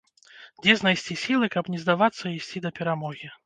Дзе знайсці сілы, каб не здавацца і ісці да перамогі?